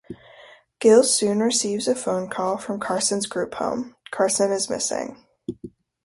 Gil soon receives a phone call from Carson's group home: Carson is missing.